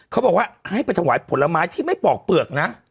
เขาบอกว่าให้ไปถวายผลไม้ที่ไม่ปอกเปลือกนะ